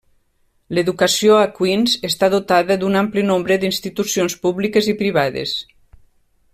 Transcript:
L'educació a Queens està dotada d'un ampli nombre d'institucions públiques i privades.